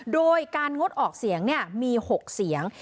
โดยการงดออกเสียงมี๖เสียง